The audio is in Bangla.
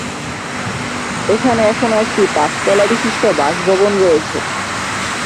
এখানে এখনো একটি পাঁচতলা বিশিষ্ট বাসভবন রয়েছে।